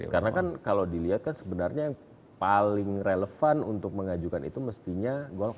karena kan kalau dilihat kan sebenarnya yang paling relevan untuk mengajukan itu mestinya golkar